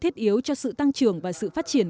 thiết yếu cho sự tăng trưởng và sự phát triển